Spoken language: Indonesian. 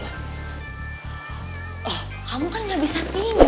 alah kamu kan enggak bisa tinggi